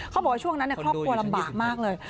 เขาบอกว่าช่วงนั้นครอบครัวลำบากมากเลย